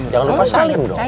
jangan lupa salim dong